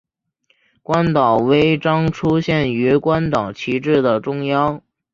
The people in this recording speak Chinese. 关岛徽章出现于关岛旗帜的中央。